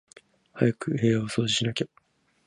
早く部屋を掃除しなきゃ